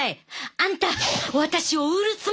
あんた私を売るつもりか！？